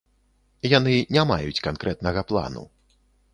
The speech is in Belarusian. Яны не маюць канкрэтнага плану.